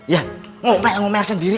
ya ngopel ngomel sendiri